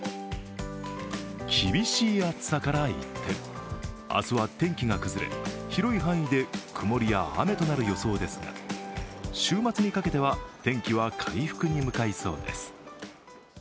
厳しい暑さから一転、明日は天気が崩れ、広い範囲で曇りや雨となる予想ですが週末にかけては天気は回復に向かいそうです。